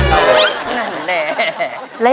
นั่นแน่